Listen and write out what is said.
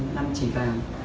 năm chỉ vàng